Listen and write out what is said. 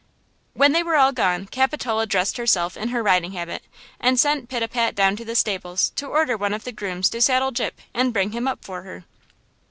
When they were all gone, Capitola dressed herself in her riding habit and sent Pitapat down to the stables to order one of the grooms to saddle Gyp and bring him up for her.